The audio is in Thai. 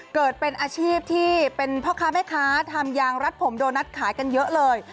เกิดเป็นอาชีพที่เป็นพ่อค้าแม่ค้าทำยางรัดผมโดนัทขายกันเยอะเลย